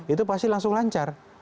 itu pasti langsung lancar